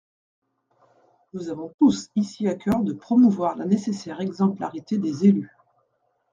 Nous avons tous ici à cœur de promouvoir la nécessaire exemplarité des élus.